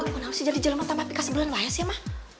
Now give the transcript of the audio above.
kenapa sih jadi jeleng pertama pk sebelumnya ya mah